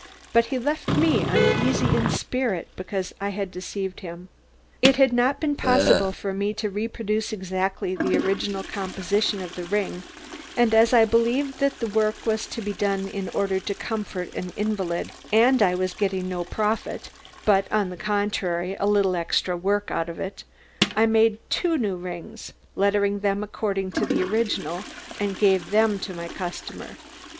But he left me uneasy in spirit because I had deceived him. It had not been possible for me to reproduce exactly the composition of the original ring, and as I believed that the work was to be done in order to comfort an invalid, and I was getting no profit, but on the contrary a little extra work out of it, I made two new rings, lettered them according to the original and gave them to my customer.